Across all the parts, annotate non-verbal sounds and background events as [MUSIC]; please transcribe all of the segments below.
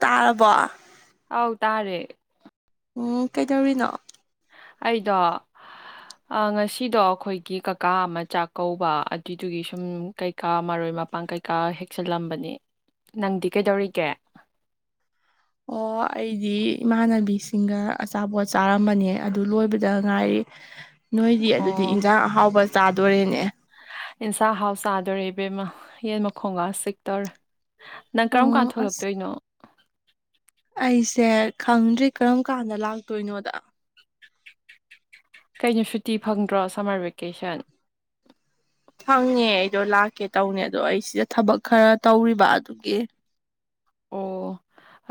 ꯇꯥꯔꯕꯣ ꯑꯧ ꯇꯥꯔꯦ ꯑꯣ ꯀꯩꯗꯧꯔꯤꯅꯣ ꯑꯩꯗꯣ ꯑꯥ ꯉꯁꯤꯗꯣ ꯑꯩꯈꯣꯏꯒꯤ ꯀꯀꯥ ꯑꯃ ꯆꯥꯛ ꯀꯧꯕ ꯑꯗꯨꯏꯗꯨꯒꯤ ꯁꯨꯝ ꯀꯩ__ ꯀꯥ ꯃꯔꯣꯏ ꯃꯄꯥꯡ ꯀꯩꯀꯥ ꯍꯦꯛꯆꯜꯂꯝꯕꯅꯤ ꯅꯪꯗꯤ ꯀꯩꯗꯧꯔꯤꯒꯦ ꯑꯣ ꯑꯩꯗꯤ ꯏꯃꯥꯟꯅꯕꯤꯁꯤꯡꯒ ꯑꯆꯥꯄꯣꯠ ꯆꯥꯔꯝꯕꯅꯦ ꯑꯗꯨ ꯂꯣꯏꯕꯗ ꯉꯥꯏꯔꯤ ꯅꯣꯏꯗꯤ ꯑꯗꯨꯗꯤ ꯑꯣ ꯏꯟꯖꯥꯡ ꯑꯍꯥꯎꯕ ꯆꯥꯗꯣꯔꯦꯅꯦ ꯏꯟꯁꯥ ꯍꯥꯎ ꯆꯥꯗꯣꯔꯦ ꯏꯕꯦꯝꯃ ꯌꯦꯟ ꯃꯈꯣꯡꯒ ꯆꯤꯛꯇꯧꯔꯦ ꯅꯪ ꯀꯔꯝ ꯀꯥꯟ ꯎꯝ ꯑꯁ ꯊꯣꯛꯂꯛꯇꯣꯏꯅꯣ ꯑꯩꯁꯦ ꯈꯪꯗ꯭ꯔꯤ ꯀꯔꯝ ꯀꯥꯟꯗ ꯂꯥꯛꯇꯣꯏꯅꯣꯗ ꯀꯩꯅꯣ ꯁꯨꯇꯤ ꯐꯪꯗ꯭ꯔꯣ ꯁꯝꯃꯔ ꯚꯦꯀꯦꯁꯟ ꯐꯪꯉꯦ ꯑꯩꯗꯣ ꯂꯥꯛꯀꯦ ꯇꯧꯅꯦ ꯑꯗꯣ ꯑꯩ ꯁꯤꯗ ꯊꯕꯛ ꯈꯔ ꯇꯧꯔꯤꯕ ꯑꯗꯨꯒꯤ ꯑꯣ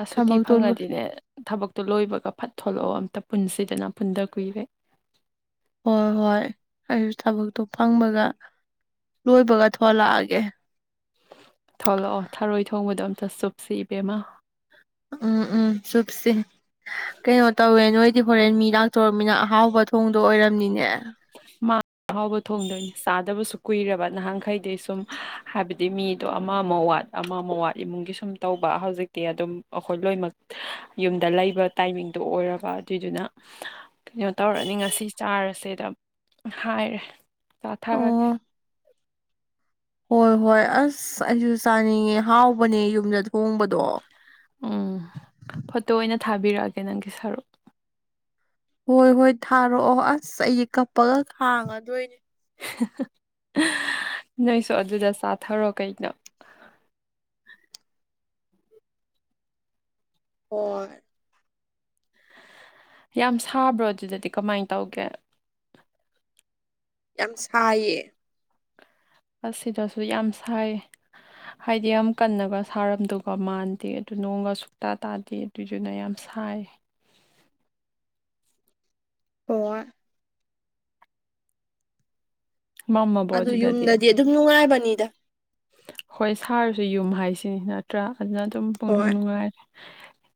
ꯑ ꯁꯨꯇꯤ ꯊꯕꯛꯇꯣ ꯂꯣꯏ ꯐꯪꯉꯗꯤꯅꯦ ꯊꯕꯛꯇꯣ ꯂꯣꯏꯕꯒ ꯐꯠ ꯊꯣꯛꯂꯣꯛꯑꯣ ꯑꯝꯇ ꯄꯨꯟꯁꯤꯗꯅ ꯄꯨꯟꯗ ꯀꯨꯏꯔꯦ ꯍꯣꯏ ꯍꯣꯏ ꯑꯩꯁꯨ ꯊꯕꯛꯇꯣ ꯐꯪꯕꯒ ꯂꯣꯏꯕꯒ ꯊꯣꯛꯂꯛꯑꯒꯦ ꯊꯣꯛꯂꯣꯛꯑꯣ ꯊꯔꯣꯏ ꯊꯣꯡꯕꯗꯣ ꯑꯝꯇ ꯆꯨꯞꯁꯤ ꯏꯕꯦꯝꯃ ꯎꯝ ꯎꯝ ꯆꯨꯞꯁꯤ ꯀꯩꯅꯣ ꯇꯧꯋꯦ ꯅꯣꯏ__ ꯗꯤ ꯍꯣꯔꯦꯟ ꯃꯤ ꯂꯥꯛꯇꯣꯔꯝꯃꯤꯅ ꯑꯍꯥꯎꯕ ꯊꯣꯡꯗꯣ ꯑꯣꯏꯔꯝꯅꯤꯅꯦ ꯃꯥ ꯑꯍꯥꯎꯕ ꯊꯣꯡꯗꯣꯏꯅꯤ ꯆꯥꯗꯕꯁꯨ ꯀꯨꯏꯔꯕ ꯅꯍꯥꯟꯈꯩꯗꯤ ꯁꯨꯝ ꯍꯥꯏꯕꯗꯤ ꯃꯤꯗꯣ ꯑꯃꯑꯃꯨꯛ ꯋꯥꯠ ꯑꯃꯃꯨꯛ ꯋꯥꯠ ꯏꯃꯨꯡꯒꯤ ꯁꯨꯝ ꯇꯧꯕ ꯍꯧꯖꯤꯛꯇꯤ ꯑꯗꯨꯝ ꯑꯈꯣꯏ ꯂꯣꯏꯃꯛ ꯌꯨꯝꯗ ꯂꯩꯕ ꯇꯥꯏꯃꯤꯡꯗꯣ ꯑꯣꯏꯔꯕ ꯑꯗꯨꯏꯗꯨꯅ ꯀꯩꯅꯣ ꯇꯧꯔꯅꯤ ꯉꯁꯤ ꯆꯥꯔꯁꯦꯗ ꯍꯥꯏꯔꯦ ꯆꯥꯊꯔꯒꯦ ꯑꯣ ꯍꯣꯏ ꯍꯣꯏ ꯑꯁ ꯑꯩꯁꯨ ꯆꯥꯅꯤꯡꯉꯦ ꯍꯥꯎꯕꯅꯦ ꯌꯨꯝꯗ ꯊꯣꯡꯕꯗꯣ ꯎꯝ ꯐꯣꯇꯣ ꯑꯣꯏꯅ ꯊꯥꯕꯤꯔꯛꯑꯒꯦ ꯅꯪꯒꯤ ꯁꯔꯨꯛ ꯍꯣꯏ ꯍꯣꯏ ꯊꯥꯔꯛꯑꯣ ꯑꯁ ꯑꯩ ꯀꯞꯄꯒ ꯈꯥꯡꯉꯗꯣꯏꯅꯦ ꯅꯣꯏꯁꯨ ꯑꯗꯨꯗ ꯆꯥꯊꯔꯣ ꯀꯩꯅꯣ ꯍ‌ꯣꯏ ꯌꯥꯝ ꯁꯥꯕ꯭ꯔꯣ ꯑꯗꯨꯗꯗꯤ ꯀꯃꯥꯏꯟ ꯇꯧꯒꯦ ꯌꯥꯝ ꯁꯥꯏꯌꯦ꯫ ꯑꯁ ꯁꯤꯗꯁꯨ ꯌꯥꯝ ꯁꯥꯏꯌ‌ꯦ꯫ ꯍꯥꯏꯗꯤ ꯌꯥꯝ ꯀꯟꯅꯒ ꯁꯥꯔꯝꯗꯧꯒ ꯃꯥꯟꯗꯦ ꯑꯗꯨ ꯅꯣꯡꯒ ꯁꯨꯛꯇꯥ ꯇꯥꯗꯦ꯫ ꯑꯗꯨꯏꯗꯨꯅ ꯌꯥꯝ ꯁꯥꯏꯌ‌ꯦ꯫ [UNINTELLIGIBLE] ꯃꯝꯃꯕꯣ ꯑꯗꯨ ꯑꯗꯨꯗꯗꯤ ꯌꯨꯝꯗꯗꯤ ꯑꯗꯨꯝ ꯅꯨꯡꯉꯥꯏꯕꯅꯤꯗ꯫ ꯍꯣꯏ ꯁꯥꯔꯁꯨ ꯌꯨꯝ ꯍꯥꯏꯁꯤꯅꯤ ꯅꯠꯇ꯭ꯔꯥ ꯑꯗꯨꯅ ꯑꯗꯨꯝ ꯄꯨꯡꯅꯨꯡ ꯍꯣꯏ ꯅꯨꯡꯉꯥꯏ꯫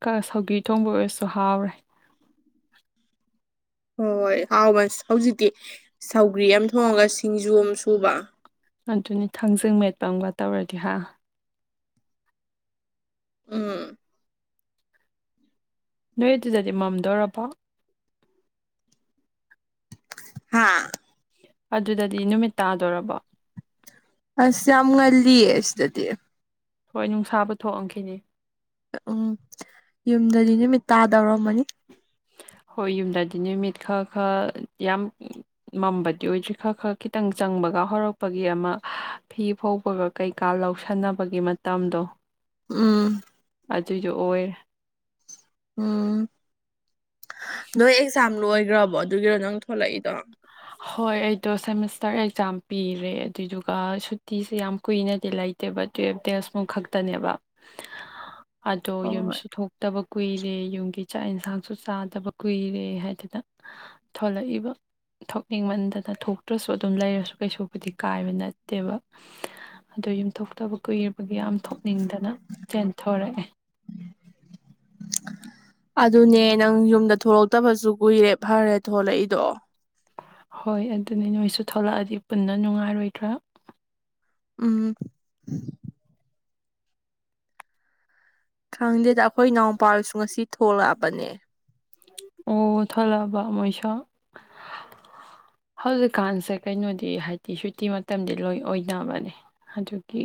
ꯀꯥ ꯁꯧꯒꯔꯤ ꯊꯣꯡꯕꯒꯁꯨ ꯍꯥꯎꯔꯦ꯫ ꯍꯣꯏ ꯍꯣꯏ ꯍꯥꯎꯕꯁ ꯍꯧꯖꯤꯛꯇꯤ ꯁꯧꯒ꯭ꯔꯤ ꯑꯃ ꯊꯣꯡꯉꯒ ꯁꯤꯡꯖꯨ ꯑꯃ ꯁꯨꯕ꯫ ꯑꯗꯨꯅꯤ ꯊꯥꯡꯖꯤꯡ ꯃꯦꯠꯄ ꯑꯃꯒ ꯇꯧꯔꯗꯤ ꯍꯥ꯫ ꯎꯝ꯫ ꯅꯣꯏ ꯑꯗꯨꯗꯗꯤ ꯃꯝꯗ‌ꯣꯔꯕꯣ꯫ ꯍꯥꯥ꯫ ꯑꯗꯨꯗꯗꯤ ꯅꯨꯃꯤꯠ ꯇꯥꯗꯣꯔꯕꯣ꯫ ꯑꯁ ꯌꯥꯝ ꯉꯜꯂꯤꯌꯦ ꯁꯤꯗꯗꯤ꯫ ꯍꯣꯏ ꯅꯨꯡꯁꯥꯕꯨ ꯊꯣꯛꯑꯝꯈꯤꯅꯤ꯫ ꯑ ꯎꯝ ꯌꯨꯝꯗꯗꯤ ꯅꯨꯃꯤꯠ ꯇꯥꯗꯧꯔꯝꯃꯅꯤ꯫ ꯍꯣꯏ ꯌꯨꯝꯗꯗꯤ ꯅꯨꯃꯤꯠ ꯈ ꯈ ꯌꯥꯝ ꯃꯝꯕꯗꯤ ꯑꯣꯏꯗ꯭ꯔꯤ ꯈꯔ ꯈꯔ ꯈꯤꯇꯪ ꯆꯪꯕꯒ ꯍꯧꯔꯛꯄꯒꯤ ꯑꯃ ꯐꯤ ꯐꯧꯕꯒ ꯀꯩꯀꯥ ꯂꯧꯁꯟꯅꯕꯒꯤ ꯃꯇꯝꯗꯣ꯫ ꯎꯝ꯫ ꯑꯗꯨꯏꯗ‌ꯣ ꯑꯣꯏꯔꯦ꯫ ꯎꯝ꯫ ꯅꯣꯏ ꯑꯦꯛꯖꯥꯝ ꯂꯣꯏꯈ꯭ꯔꯕꯣ ꯑꯗꯨꯒꯤꯔꯣ ꯅꯪ ꯊꯣꯛꯂꯛꯏꯗꯣ꯫ ꯍꯣꯏ ꯑꯩꯗꯣ ꯁꯦꯃꯤꯁꯇꯔ ꯑꯦꯛꯖꯥꯝ ꯄꯤꯔꯦ ꯑꯗꯨꯏꯗꯨꯒ ꯁꯨꯇꯤꯁꯦ ꯌꯥꯝ ꯀꯨꯏꯅꯗꯤ ꯂꯩ ꯇꯦꯕ ꯇꯨꯌꯦꯞ ꯗ‌ꯦꯁꯃꯨꯛ ꯈꯛꯇꯅꯦꯕ꯫ [INAUDIBLE] ꯑꯗꯣ ꯍꯣꯏ ꯌꯨꯝꯁꯨ ꯊꯣꯛ ꯇꯕ ꯀꯨꯏꯔꯦ ꯌꯨꯝꯒꯤ ꯆꯥꯛ ꯌꯦꯟꯁꯥꯡꯁꯨ ꯆꯥꯗꯕ ꯀꯨꯏꯔꯦ ꯍꯥꯏꯗꯅ꯫ ꯊꯣꯛꯂꯛꯏꯕ꯫ ꯊꯛꯅꯤꯡꯃꯟꯗꯅ ꯊꯣꯛꯇ꯭ꯔꯁꯨ ꯑꯗꯨꯝ ꯂꯩꯔꯁꯨ ꯀꯩꯁꯨꯕꯨꯗꯤ ꯀꯥꯏꯕ ꯅꯠꯇꯦꯕ꯫ ꯑꯗꯣ ꯌꯨꯝꯊꯣꯛꯇꯕ ꯀꯨꯏꯔꯕꯒꯤ ꯌꯥꯝ ꯊꯣꯛꯅꯤꯡꯗꯅ ꯆꯦꯟꯊꯣꯔꯛꯑꯦ꯫ ꯑꯗꯨꯅꯦ ꯅꯪ ꯌꯨꯝꯗ ꯊꯣꯛꯂꯛꯇꯕꯁꯨ ꯀꯨꯏꯔꯦ ꯐꯔꯦ ꯊꯣꯂꯛꯏꯗꯣ꯫ ꯍꯣꯏ ꯑꯗꯨꯅꯤ ꯅꯣꯏꯁꯨ ꯊꯂꯛꯑꯗꯤ ꯄꯨꯟꯅ ꯅꯨꯡꯉꯥꯏꯔꯣꯏꯗ꯭ꯔꯥ꯫ ꯎꯝ꯫ ꯈꯪꯗꯦꯗ ꯑꯩꯈꯣꯏ ꯏꯅꯥꯎꯄꯥ ꯍꯣꯏꯁꯨ ꯉꯁꯤ ꯊꯣꯛꯂꯛꯑꯕꯅꯦ꯫ ꯑꯣ ꯊꯣꯛꯂꯛꯑꯕ ꯃꯣꯏꯁꯨ꯫ ꯍꯧꯖꯤꯛꯀꯥꯟꯁꯦ ꯀꯩꯅꯣꯗꯤ ꯍꯥꯏꯗꯤ ꯁꯨꯇꯤ ꯃꯇꯝꯗꯤ ꯂꯣꯏ ꯑꯣꯏꯅꯕꯅꯦ꯫ ꯑꯗꯨꯒꯤ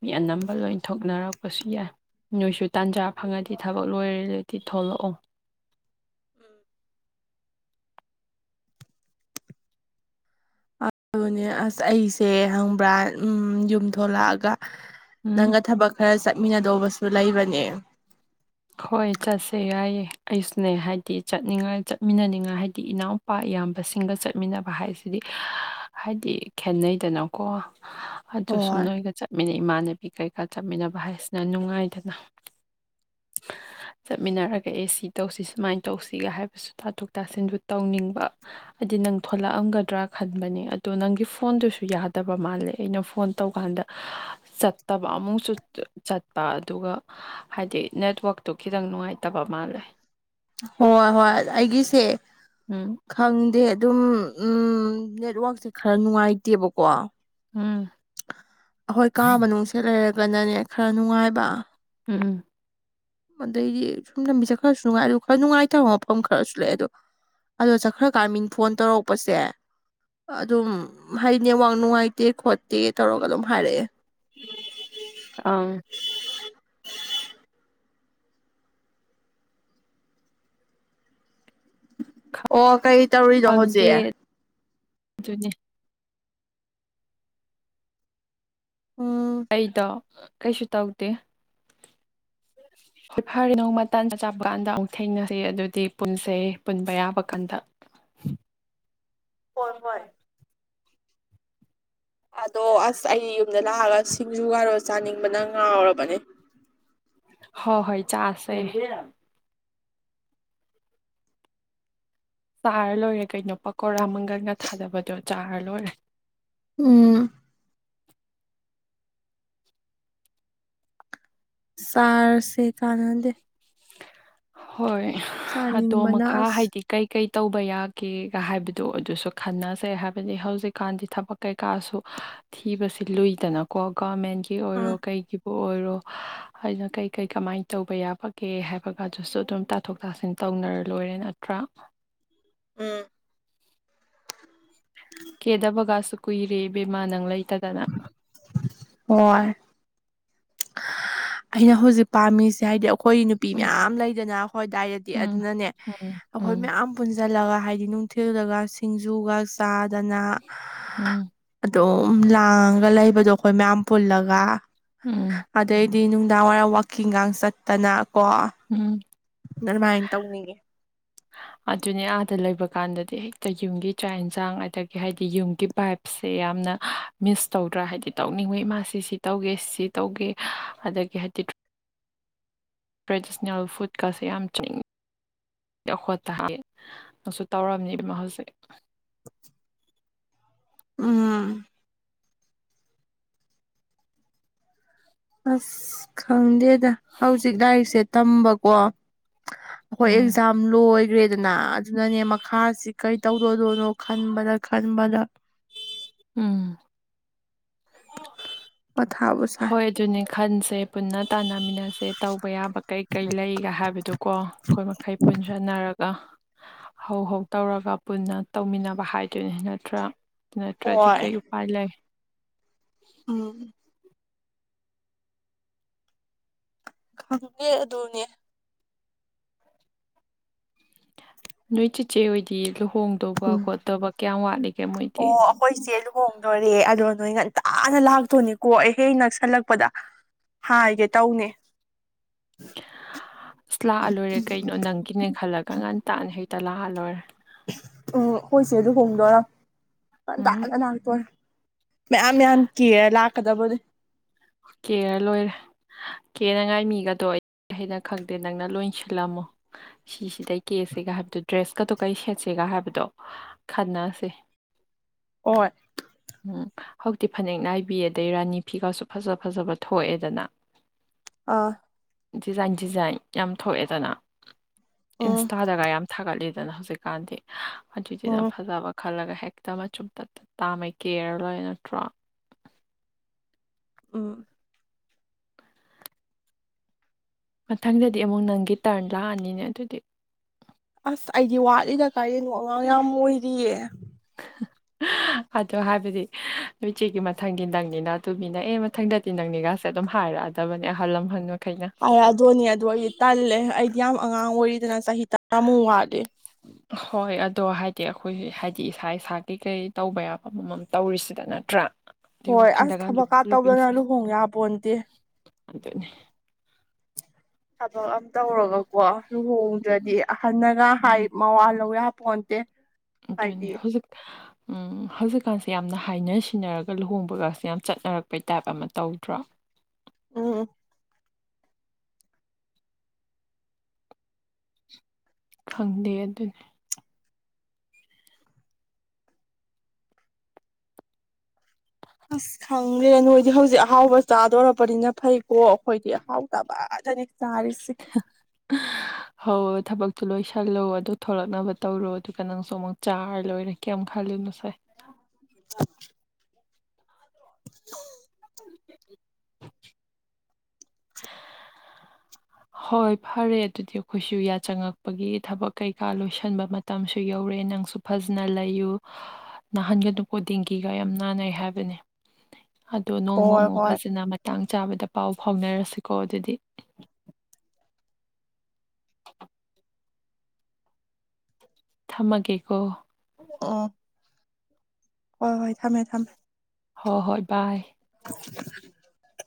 ꯃꯤ ꯑꯅꯝꯕ ꯂꯣꯏ ꯊꯣꯛꯅꯔꯛꯄꯁꯨ ꯌꯥꯏ꯫ ꯅꯣꯏꯁꯨ ꯇꯥꯟꯖꯥ ꯐꯪꯉꯗꯤ ꯊꯕꯛ ꯂꯣꯏꯔꯦꯗꯤ ꯊꯣꯛꯂꯛꯑꯣ꯫ ꯑꯗꯨꯅꯦ ꯑꯁ ꯑꯩꯁꯦ ꯈꯪꯕ꯭ꯔꯥ ꯎꯝ ꯌꯨꯝ ꯊꯣꯛꯂꯛꯑꯒ ꯎꯝ ꯅꯪꯒ ꯊꯕꯛ ꯈꯔ ꯆꯠꯃꯤꯟꯅꯗꯧꯕꯁꯨ ꯂꯩꯕꯅꯦ꯫ ꯍꯣꯏ ꯆꯠꯁꯦ ꯌꯥꯏꯌꯦ ꯑꯩꯁꯨꯅꯦ ꯍꯥꯏꯗꯤ ꯆꯠꯅꯤꯡꯉꯥꯏ ꯆꯠꯃꯤꯟꯅꯅꯤꯡꯉꯥꯏ ꯍꯥꯏꯗꯤ ꯏꯅꯥꯎ ꯄꯥ ꯏꯌꯥꯝꯕꯁꯤꯡꯒ ꯆꯠꯃꯤꯟꯅꯕ ꯍꯥꯏꯁꯤꯗꯤ ꯍꯥꯏꯗꯤ ꯈꯦꯠꯅꯩꯗꯅꯀꯣ꯫ [INAUDIBLE] ꯑꯗꯨ ꯁꯨꯝ ꯅꯣꯏꯒꯥ ꯆꯠꯃꯤꯟꯅꯩ ꯏꯃꯥꯟꯅꯕꯤ ꯀꯩꯀꯥ ꯆꯠꯃꯤꯟꯅꯕ ꯍꯥꯏꯁꯤꯅ ꯅꯨꯡꯉꯥꯏꯗꯅ [INAUDIBLE] ꯆꯠꯃꯤꯟꯅꯔꯒꯥ ꯑꯦ ꯁꯤ ꯇꯧꯁꯤ ꯁꯨꯃꯥꯏꯟ ꯇꯧꯁꯤꯒꯥ ꯍꯥꯏꯕꯁꯨ ꯇꯥꯊꯣꯛ ꯇꯥꯁꯤꯟꯗꯨ ꯇꯧꯅꯤꯡꯕ ꯑꯩꯗꯤ ꯅꯪ ꯊꯂꯛꯑꯝꯒꯗ꯭ꯔꯥ ꯈꯟꯕꯅꯦ ꯑꯗꯣ ꯅꯪꯒꯤ ꯐꯣꯟꯗꯨꯁꯨ ꯌꯥꯗꯕ ꯃꯥꯜꯂꯦ ꯑꯩꯅ ꯐꯣꯟ ꯇꯧꯀꯥꯟꯗꯥ [INAUDIBLE] ꯆꯠꯇꯕ ꯑꯃꯨꯛꯁꯨ ꯆꯠꯄ ꯑꯗꯨꯒꯥ ꯍꯥꯏꯗꯤ ꯅꯦꯠꯋꯔꯥꯛꯇꯨ ꯈꯤꯗꯪ ꯅꯨꯡꯉꯥꯏꯇꯕ ꯃꯥꯜꯂꯦ ꯍꯣꯏ ꯍꯣꯏ ꯑꯩꯒꯤꯁꯦ ꯎꯝ ꯈꯪꯗꯦ ꯑꯗꯨꯝ ꯎꯝ ꯅꯦꯠꯋꯥꯛꯁꯦ ꯈꯔ ꯅꯨꯡꯉꯥꯏꯇꯦꯕꯀꯣ ꯎꯝ ꯑꯈꯣꯏ ꯀꯥ ꯃꯅꯨꯡꯁꯦ ꯂꯩꯔꯒꯥꯅꯅꯦ ꯈꯔ ꯅꯨꯡꯉꯥꯏꯕ ꯎꯝ ꯎꯝ ꯑꯗꯩꯗꯤ ꯁꯨꯝ ꯂꯝꯕꯤꯁꯦ ꯈꯔꯁꯨ ꯅꯨꯡꯉꯥꯏ ꯑꯗꯨ ꯈꯔ ꯅꯨꯡꯉꯥꯏꯇꯕ ꯃꯐꯝ ꯈꯔꯁꯨ ꯂꯩ ꯑꯗꯣ ꯑꯗꯣ ꯆꯠꯈ꯭ꯔꯥ ꯀꯥꯟ ꯃꯤꯟ ꯐꯣꯟ ꯇꯧꯔꯛꯄꯁꯦ ꯑꯗꯨꯝ ꯍꯥꯏ ꯅꯦꯋꯥꯛ ꯅꯨꯡꯉꯥꯏꯇꯦ ꯈꯣꯠꯇꯦ ꯇꯧꯔꯒꯥ ꯑꯗꯨꯝ ꯍꯥꯏꯔꯛꯑꯦ ꯑꯪ ꯑꯣ ꯀꯩꯠ ꯐꯪꯇꯦ ꯗꯨꯅꯦ ꯎꯝ ꯑꯩꯗꯣ ꯀꯩꯁꯨ ꯇꯧꯗꯦ [INAUDIBLE] ꯍꯣꯏ ꯐꯥꯔꯦ ꯅꯣꯡꯃꯥ ꯇꯟ ꯆꯥ ꯆꯥꯕ ꯀꯥꯟꯗ ꯑꯃꯨꯛ ꯊꯦꯡꯅꯁꯤ ꯑꯗꯨꯗꯤ ꯄꯨꯟꯁꯦ ꯄꯨꯟꯕ ꯌꯥꯕ ꯀꯥꯟꯗꯥ [INAUDIBLE] ꯍꯣꯏ ꯍꯣꯏꯠ ꯑꯗꯣ ꯑꯁ ꯑꯩ ꯌꯨꯝꯗꯥ ꯂꯥꯛꯑꯒ ꯁꯤꯡꯖꯨꯒꯥꯔꯣ ꯆꯥꯅꯤꯡꯕꯅ ꯉꯥꯎꯔꯕꯅꯦ ꯍꯣ ꯍꯣꯏ ꯆꯥꯁꯦ [UNINTELLIGIBLE] ꯆꯥꯔ ꯂꯣꯏꯔꯦ ꯀꯩꯅꯣ ꯄꯀꯣꯔꯥ ꯃꯪꯒꯜꯒꯥ ꯊꯥꯗꯕꯗꯣ ꯆꯥꯔ ꯂꯣꯏꯔꯦ ꯎꯝ ꯆꯥꯔꯁꯦ ꯀꯥꯅꯗꯦ ꯍꯣꯏ ꯑꯗꯣ ꯆꯥꯅꯤꯡꯕꯅ ꯃꯈꯥ ꯑꯁ ꯍꯥꯏꯗꯤ ꯀꯩꯀꯩ ꯇꯧꯕ ꯌꯥꯒꯦꯒꯥ ꯍꯥꯏꯕꯗꯣ ꯑꯗꯨꯁꯨ ꯈꯟꯅꯁꯦ ꯍꯥꯏꯕꯗꯤ ꯍꯧꯖꯤꯛꯀꯥꯟꯗꯤ ꯊꯕꯛ ꯀꯩꯀꯥꯁꯨ ꯊꯤꯕꯁꯤ ꯂꯨꯏꯗꯅꯀꯣ ꯒꯣꯔꯃꯦꯟꯒꯤ ꯒꯤ ꯑꯣꯏꯔꯣ ꯎꯝ ꯀꯩꯒꯤꯕꯨ ꯑꯣꯏꯔꯣ ꯍꯥꯏꯅ ꯀꯩ ꯀꯩ ꯀꯃꯥꯏꯟ ꯇꯧꯕ ꯌꯥꯕ ꯀꯦ ꯍꯥꯏꯕꯒ ꯑꯗꯨꯁꯨ ꯑꯗꯨꯝ ꯇꯥꯊꯣꯛ ꯇꯥꯁꯤꯟ ꯇꯧꯅꯔꯥ ꯂꯣꯏꯔꯦ ꯅꯠꯇ꯭ꯔꯥ ꯎꯝ [INAUDIBLE] ꯀꯦꯗꯕꯒꯁꯨ ꯀꯨꯏꯔꯦ ꯏꯕꯦꯝꯃꯥ ꯅꯪ ꯂꯩꯇꯗꯅ ꯋꯣꯏ [INAUDIBLE] ꯑꯩꯅ ꯍꯨꯖꯤꯛ ꯄꯥꯝꯃꯤꯁꯦ ꯍꯥꯏꯗꯤ ꯑꯈꯣꯏ ꯅꯨꯞ ꯅꯨꯄꯤ ꯎꯝ ꯃꯌꯥꯝ ꯂꯩꯗꯅ ꯑꯈꯣꯏ ꯗꯥꯏꯗꯗꯤ ꯎꯝ ꯑꯗꯨꯅꯅꯦ ꯎꯝ ꯑꯈꯣꯏ ꯎꯝ ꯃꯌꯥꯝ ꯄꯨꯟꯖꯜꯂꯒꯥ ꯍꯥꯏꯗꯤ ꯅꯨꯡꯊꯤꯜꯗꯥꯒ ꯁꯤꯡꯖꯨꯒꯥ ꯆꯥꯗꯅ ꯎꯝ ꯗꯨꯝ ꯂꯥꯡꯉꯒ ꯂꯩꯕꯗꯣ ꯑꯈꯣꯏ ꯃꯌꯥꯝ ꯄꯨꯜꯂꯒꯥ ꯎꯝ ꯑꯗꯩꯗꯤ ꯅꯨꯡꯗꯥꯡꯋꯥꯏꯔꯝ ꯋꯥꯛꯀꯤꯡꯒꯥꯡ ꯆꯠꯇꯥꯅ ꯀꯣ ꯎꯝ ꯗꯔꯃꯥꯏꯟ ꯇꯧꯅꯤꯡꯉꯦ ꯑꯗꯨꯅꯦ ꯑꯥꯗ ꯂꯩꯕ ꯀꯥꯟꯗꯥꯗꯤ ꯍꯦꯛꯇꯥ ꯌꯨꯝꯒꯤ ꯆꯥꯛ ꯍꯦꯟꯖꯥꯡ ꯑꯗꯒꯤ ꯍꯥꯏꯗꯤ ꯌꯨꯝꯒꯤ ꯚꯥꯏꯞ ꯁꯦ ꯌꯥꯝꯅ ꯃꯤꯁ ꯇꯧꯗ꯭ꯔꯥ ꯍꯥꯏꯗꯤ ꯇꯧꯅꯤꯡꯕꯩ ꯃꯥ ꯁꯤ ꯁꯤ ꯇꯧꯒꯦ ꯁꯤ ꯇꯧꯒꯦ ꯑꯗꯒꯤ [UNINTELLIGIBLE] ꯇ꯭ꯔꯦꯗꯤꯁꯅꯦꯜ ꯐꯨꯠꯀꯁꯦ ꯌꯥꯝ ꯆꯤꯡ [UNINTELLIGIBLE] ꯎꯝ ꯑꯁ ꯈꯪꯗꯦꯗ ꯍꯧꯖꯤꯛ ꯂꯥꯏꯔꯤꯛꯁꯦ ꯇꯝꯕꯀꯣ ꯑꯩꯈꯣꯏ ꯎꯝ ꯑꯦꯛꯖꯥꯝ ꯂꯣꯏꯒꯔꯦ ꯑꯗꯨꯅ ꯑꯗꯨꯅꯅꯦ ꯃꯈꯥꯁꯤ ꯀꯔꯤ ꯇꯧꯔꯣꯏꯗꯣꯅꯣ ꯈꯟꯕꯗ ꯈꯟꯕꯗ ꯎꯝ ꯃꯊꯥꯕꯨ ꯁꯥꯏ ꯍꯣꯏ ꯑꯗꯨꯅꯤ ꯈꯟꯁꯦ ꯄꯨꯟꯅ ꯇꯥꯟꯅꯃꯤꯟꯅꯁꯦ ꯇꯧ ꯇꯧꯕ ꯌꯥꯕꯥ ꯀꯩꯀꯩ ꯂꯩ ꯍꯥꯏꯕꯗꯣꯀꯣ ꯑꯩꯈꯣꯏ ꯃꯈꯩ ꯄꯨꯟꯁꯤꯟꯅꯔꯒ ꯍꯧ ꯍꯧ ꯇꯧꯔꯒ ꯄꯨꯟꯅ ꯇꯧꯃꯤꯟꯅꯕ ꯍꯥꯏꯗꯨꯅꯤ ꯅꯠꯇ꯭ꯔꯥ ꯅꯠꯇ꯭ꯔꯗꯤ ꯍꯣꯏ ꯀꯩ ꯎꯄꯥꯏ ꯂꯩ ꯎꯝ ꯈꯪꯗꯦꯑꯗꯨꯅꯦ ꯅꯣꯏ ꯆꯤꯆꯦ ꯍꯣꯏꯗꯤ ꯂꯨꯍꯣꯡꯗꯧꯕ ꯎꯝ ꯈꯣꯠꯇꯕ ꯀꯌꯥꯝ ꯋꯥꯠꯂꯤꯒꯦ ꯃꯣꯏꯗꯤ ꯑꯩꯈꯣꯏꯁꯦ ꯂꯨꯍꯣꯡꯗꯣꯔꯦ ꯑꯗꯣ ꯅꯣꯏ ꯉꯟꯇꯥꯥꯅ ꯂꯥꯛꯇꯣꯅꯤꯀꯣ ꯑꯩ ꯍꯦꯛ ꯅꯛꯁꯜꯂꯛꯄꯗ ꯍꯥꯏꯒꯦ ꯇꯧꯅꯦ ꯑꯁ ꯂꯥꯛꯑ ꯂꯣꯏꯔꯦ ꯀꯩꯅꯣ ꯅꯪꯒꯤꯅꯦ ꯈꯜꯂꯒ ꯉꯟꯇꯥꯅ ꯍꯦꯛꯇ ꯂꯥꯛꯑ ꯂꯣꯏꯔꯦ ꯎꯝ ꯑꯩꯈꯣꯏꯁꯦ ꯑꯗꯨ ꯍꯣꯡꯗꯣꯏꯔꯥ ꯎꯝ ꯉꯟꯇꯥꯅꯥ ꯂꯥꯛꯇꯣꯏ ꯃꯌꯥꯝ ꯌꯥꯝ ꯀꯦꯔꯥ ꯂꯥꯛꯀꯗꯕꯗꯤ ꯀꯦꯔ ꯂꯣꯏꯔꯦ ꯀꯦꯅꯉꯥꯏ ꯃꯤꯒꯗꯣ ꯑꯩ ꯈꯪꯗꯦ ꯅꯪꯅ ꯂꯣꯏꯁꯤꯜꯂꯝꯃꯣ ꯁꯤꯁꯤꯗꯩ ꯀꯦꯁꯦꯒ ꯍꯥꯏꯕꯗꯣ ꯗ꯭ꯔꯦꯁꯀꯗꯨ ꯀꯩ ꯁꯦꯠꯁꯦꯒ ꯍꯥꯏꯕꯗꯣ ꯈꯥꯟꯅꯁꯦ ꯍꯣꯏ ꯎꯝ ꯍꯧꯖꯤꯛꯇꯤ ꯐꯅꯦꯛ ꯅꯥꯏꯕꯤ ꯑꯗꯩ ꯔꯥꯅꯤ ꯐꯤꯒꯁꯨ ꯐꯖ ꯐꯖꯕ ꯊꯣꯛꯑꯦꯗꯅ ꯑꯥ ꯗꯤꯖꯥꯏꯟ ꯗꯤꯖꯥꯏꯟ ꯌꯥꯝ ꯊꯣꯛꯑꯦꯗꯅ ꯎꯝ ꯏꯟꯁꯇꯥꯗꯒ ꯌꯥꯝ ꯊꯥꯒꯠꯂꯤꯗꯅ ꯍꯧꯖꯤꯛꯀꯥꯟꯗꯤ ꯑꯗꯨꯏꯁꯤꯅ ꯎꯝ ꯐꯖꯕ ꯈꯜꯂꯒ ꯍꯦꯛꯇ ꯃꯆꯨꯝ ꯇꯞ ꯇꯞ ꯇꯥꯃꯩ ꯀꯦꯔ ꯂꯣꯏꯔꯦ ꯅꯠꯇ꯭ꯔꯣ ꯎꯝ ꯃꯊꯪꯗꯗꯤ ꯑꯃꯨꯛ ꯅꯪꯒꯤ ꯇꯔꯟ ꯂꯥꯛꯑꯅꯤꯅꯦ ꯑꯗꯨꯗꯤ ꯑꯁ ꯑꯩꯗꯤ ꯋꯥꯠꯂꯤꯗ ꯀꯥꯏꯗꯩꯅꯣꯅꯣ ꯑꯉꯥꯡ ꯌꯥꯝ ꯑꯣꯏꯔꯤꯌꯦ ꯑꯗꯣ ꯍꯥꯏꯕꯗꯤ ꯅꯣꯏꯆꯦꯒꯤ ꯃꯊꯪꯗꯤ ꯅꯪꯅꯤꯅ ꯇꯨꯃꯤꯅ ꯑꯦ ꯃꯊꯪꯗꯗꯤ ꯅꯪꯅꯤꯒꯥꯁꯦ ꯑꯗꯨꯝ ꯍꯥꯏꯔꯛꯑꯗꯕꯅꯦ ꯑꯍꯜ ꯂꯃꯍꯟ ꯃꯈꯩꯅ ꯑꯗꯨꯅꯦ ꯑꯗꯣ ꯑꯩꯗꯤ ꯇꯜꯂꯦ ꯑꯩꯗꯤ ꯌꯥꯝ ꯑꯉꯥꯡ ꯑꯣꯏꯔꯤꯗꯅ ꯆꯍꯤ ꯇꯔꯥꯃꯨꯛ ꯋꯥꯠꯂꯤ ꯍꯣꯏ ꯑꯗꯣ ꯍꯥꯏꯗꯤ ꯑꯩꯈꯣꯏꯁ ꯍꯥꯏꯗꯤ ꯏꯁꯥ ꯏꯁꯥ ꯀꯩꯀꯩ ꯇꯧꯕ ꯌꯥꯕ ꯑꯃꯃꯝ ꯇꯧꯔꯤꯁꯤꯗ ꯅꯠꯇ꯭ꯔꯥ ꯑꯗꯨꯏ ꯍꯣꯏ ꯑꯁ ꯋꯥꯈꯜꯗꯒ ꯊꯕꯛ ꯀꯥ ꯇꯧꯗꯅ ꯂꯨꯍꯣꯡ ꯌꯥ ꯄꯣꯟꯗꯦ ꯑꯗꯨꯅꯦ ꯊꯕꯛ ꯑꯝ ꯇꯧꯔꯒ ꯀꯣ ꯎꯝ ꯂꯨꯍꯣꯡꯗ꯭ꯔꯗꯤ ꯑꯍꯟꯅꯒ ꯍꯥꯏ ꯎꯝ ꯃꯋꯥ ꯂꯧꯌꯥꯄꯣꯟꯇꯦ ꯑꯗꯨꯅꯤ ꯍꯧꯖꯤꯛ [UNINTELLIGIBLE] ꯎꯝ ꯍꯧꯖꯤꯛꯀꯥꯟꯁꯦ ꯌꯥꯝꯅ ꯍꯥꯏꯅ ꯁꯤꯟꯅꯔꯒ ꯂꯨꯍꯣꯡꯕꯒꯁꯦ ꯌꯥꯝꯅ ꯆꯠꯅꯔꯛꯄꯩ ꯇꯥꯏꯞ ꯑꯃ ꯇꯧꯗ꯭ꯔꯣ [UNINTELLIGIBLE] ꯈꯪꯗꯦ ꯑꯗꯨꯅꯦ ꯑꯁ ꯈꯪꯗꯦ ꯅꯣꯏꯗꯤ ꯍꯧꯖꯤꯛ ꯑꯍꯥꯎꯕ ꯆꯥꯗꯣꯔꯕꯅꯤꯅ ꯐꯩꯀꯣ ꯑꯩꯈꯣꯏꯗꯤ ꯑꯍꯥꯎꯇꯕꯥ ꯇꯅꯤ ꯆꯥꯔꯤꯁꯤ [UNINTELLIGIBLE] ꯍꯦ ꯊꯕꯛꯇꯨ ꯂꯣꯏꯁꯜꯂꯣ ꯑꯗꯨ ꯊꯣꯛꯂꯛꯅꯕ ꯇꯧꯔꯣ ꯑꯗꯨꯒ ꯅꯪꯁꯨ ꯑꯃꯨꯛ ꯆꯥꯔ ꯂꯣꯏꯔꯦ ꯀꯦꯝ ꯈꯪꯂꯨꯅꯨꯁꯦ [INAUDIBLE] [UNINTELLIGIBLE] ꯍꯣꯏ ꯐꯔꯦ ꯑꯗꯨꯗꯤ ꯑꯩꯈꯣꯏꯁꯨ ꯌꯥꯆꯪꯉꯛꯄꯒꯤ ꯊꯕꯛ ꯀꯩꯀꯥ ꯂꯣꯏꯁꯟꯕ ꯃꯠ ꯇꯝꯁꯨ ꯌꯧꯔꯦ ꯅꯪꯁꯨ ꯐꯖꯅ ꯂꯩꯌꯨ ꯅꯥꯍꯟꯒꯅꯨꯀꯣ ꯗꯦꯡꯒꯤꯒ ꯌꯥꯝ ꯅꯥꯟꯅꯩ ꯍꯥꯏꯕꯅꯦ ꯑꯗꯣ ꯅꯣꯡꯃ ꯍꯣꯏ ꯑꯃꯨꯛ ꯍꯣꯏ ꯐꯖꯅ ꯃꯇꯥꯡ ꯆꯥꯕꯗ ꯄꯥꯎ ꯐꯥꯎꯅꯔꯁꯤꯀꯣ ꯑꯗꯨꯗꯤ [INAUDIBLE] ꯊꯝꯃꯒꯦꯀꯣ ꯑꯣ ꯍꯣꯏ ꯍꯣꯏ ꯊꯝꯃꯦ ꯊꯝꯃꯦ ꯍꯣ ꯍꯣꯏ ꯕꯥꯏ [INAUDIBLE]